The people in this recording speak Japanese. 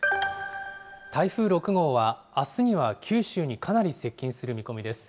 台風６号は、あすには九州にかなり接近する見込みです。